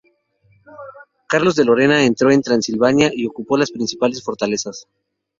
Carlos de Lorena entró en Transilvania y ocupó las principales fortalezas.